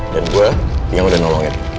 gue yang udah nolongin